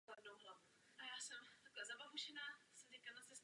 Po druhé světové válce však bylo podnikání zastaveno.